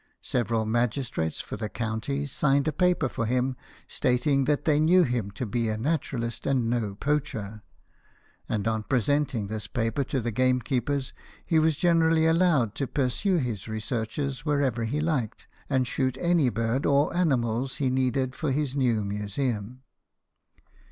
Several magistrates for the county signed a paper for him, stating that they knew him to be a naturalist, and no poacher; and on presenting this paper to the gamekeepers, he was generally allowed to pursue his researches wherever he liked, and shoot any birds or animals he needed for his new museum.